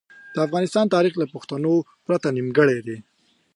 د افغانستان تاریخ له پښتنو پرته نیمګړی دی.